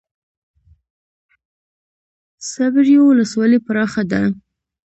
صبریو ولسوالۍ پراخه ده؟